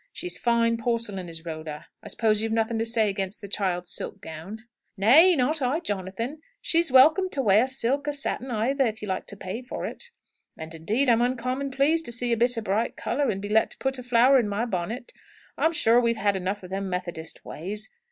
She's fine porcelain, is Rhoda. I suppose you've nothing to say against the child's silk gown?" "Nay, not I, Jonathan! She's welcome to wear silk or satin either, if you like to pay for it. And, indeed, I'm uncommon pleased to see a bit of bright colour, and be let to put a flower in my bonnet. I'm sure we've had enough of them Methodist ways.